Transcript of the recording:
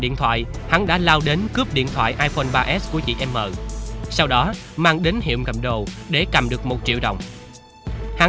nhận được sự ủng hộ